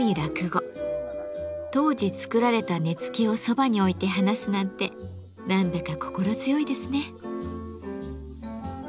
当時作られた根付をそばに置いて話すなんて何だか心強いですね。